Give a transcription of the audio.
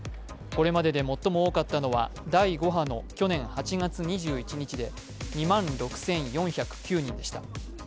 これまでで最も多かったのは第５波の去年８月２１日で２万６４０９人でした。